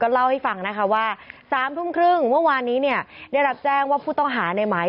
ตอนกลับมาถึงเมืองไทย